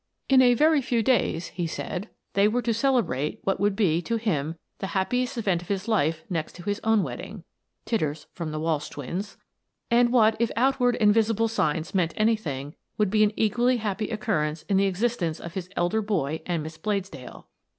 In a very few days, he said, they were to cele brate what would be, to him, the happiest event of his life next to his own wedding (Titters from the Walsh twins), and what, if outward and visible signs meant anything, would be an equally happy occurrence in the existence of his elder boy and Miss Bladesdell.